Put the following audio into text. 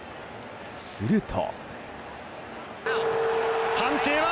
すると。